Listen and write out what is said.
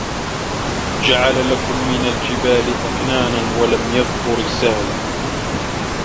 جَعَلَ لَكُمْ مِنْ الْجِبَالِ أَكْنَانًا وَلَمْ يَذْكُرْ السَّهْلَ